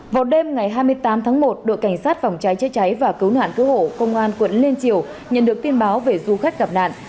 vào đêm ngày hai mươi tám tháng một đội cảnh sát phòng cháy chế cháy và cứu nạn cứu hộ công an quận liên triều nhận được tin báo về du khách gặp nạn